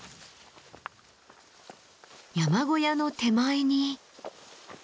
山小屋の手前に。